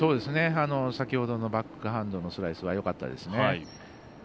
先ほどのバックハンドのスライスはよかったですね。